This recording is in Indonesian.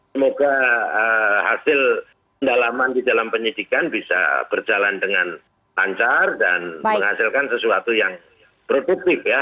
semoga hasil pendalaman di dalam penyidikan bisa berjalan dengan lancar dan menghasilkan sesuatu yang produktif ya